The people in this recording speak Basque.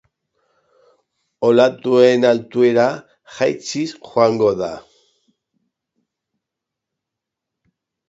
Olatuen altuera jaitsiz joango da.